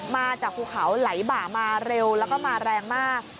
มาจากภูเขาไหลบ่ามาเร็วแล้วก็มาแรงมาก